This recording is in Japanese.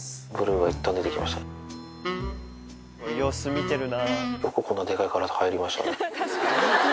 様子見てるな。